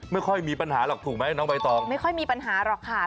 ไม่ค่อยมีปัญหาหรอกถูกไหมน้องใบตองไม่ค่อยมีปัญหาหรอกค่ะ